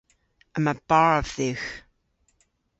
Yma barv dhywgh.